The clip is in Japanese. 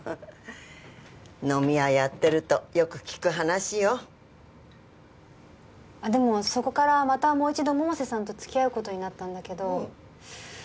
飲み屋やってるとよく聞く話よあっでもそこからまたもう一度百瀬さんと付き合うことになったんだけどうん